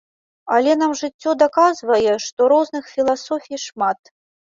Але нам жыццё даказвае, што розных філасофій шмат.